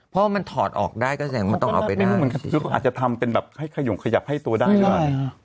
เพราะว่ามันถอดออกได้ก็อาจจะทำเป็นแบบให้ขยุมขยับให้ตัวได้